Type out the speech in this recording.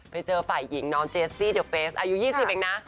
ไปเจอฝ่ายหญิงน้องเจสซี่เดอเฟสอายุ๒๐เองนะ